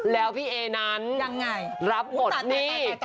แล้วพี่เอนั้นรับหมดหนี้